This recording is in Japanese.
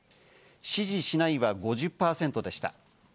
支持しないは５０％でした。